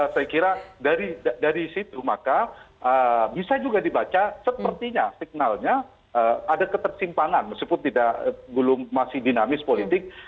saya kira dari situ maka bisa juga dibaca sepertinya signalnya ada ketersimpangan meskipun masih dinamis politik